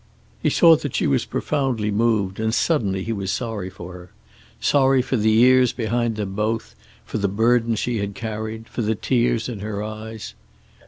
He saw that she was profoundly moved, and suddenly he was sorry for her. Sorry for the years behind them both, for the burden she had carried, for the tears in her eyes.